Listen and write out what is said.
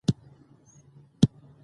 فرهنګ د ټولني د ځان پېژندني وسیله ده.